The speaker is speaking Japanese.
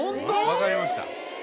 分かりました。